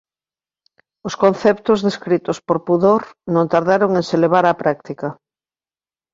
Os conceptos descritos por Pudor non tardaron en se levar á práctica.